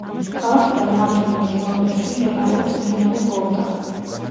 ქალაქიდან რამდენიმე კილომეტრში მდებარეობს მდინარე ვოლტა.